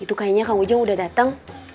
itu kayaknya kang ujang udah datang